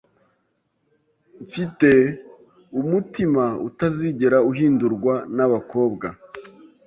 Mfite umutima utazigera uhindurwa nabakobwa